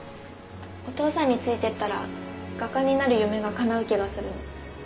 お父さんについて行ったら画家になる夢が叶う気がするの。